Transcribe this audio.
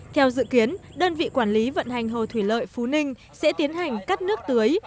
theo dự kiến đơn vị quản lý vận hành hồ thủy lợi phú ninh sẽ tiến hành cắt nước tưới